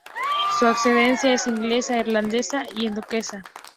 Su ascendencia es inglesa, irlandesa y escocesa.